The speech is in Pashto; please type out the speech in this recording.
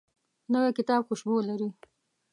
نوی کتاب خوشبو لري